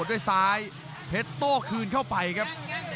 กรรมการเตือนทั้งคู่ครับ๖๖กิโลกรัม